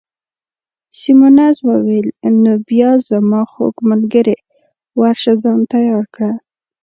سیمونز وویل: نو بیا زما خوږ ملګرې، ورشه ځان تیار کړه.